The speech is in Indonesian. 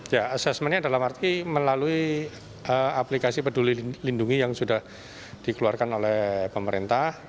ya assessmentnya dalam arti melalui aplikasi peduli lindungi yang sudah dikeluarkan oleh pemerintah